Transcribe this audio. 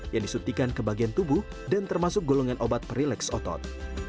yang disuntikan ke bagian tubuh dan termasuk golongan obat perileks otot